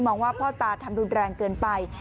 ว่าพ่อตาทำรุนแรงเกินไป